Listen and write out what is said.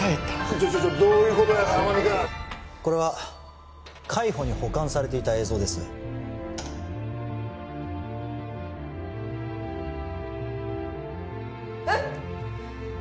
ちょっちょっどういうことや天海君これは海保に保管されていた映像です・えっ？